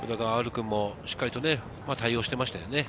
潤君もしっかりと対応していましたよね。